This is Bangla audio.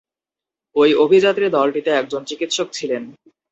ওই অভিযাত্রী দলটিতে একজন চিকিৎসক ছিলেন।